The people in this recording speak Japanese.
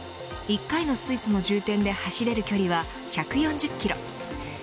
１回の水素の充電で走れる距離は１４０キロ。